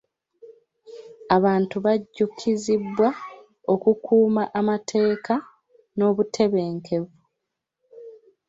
Abantu bajjukizibwa okukuuma amateeka n'obutebenkevu.